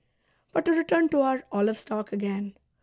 But to return to our olive stock again.